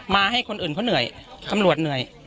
ให้คนอื่นเขาเหนื่อยตำรวจเหนื่อย